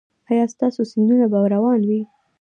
ایا ستاسو سیندونه به روان وي؟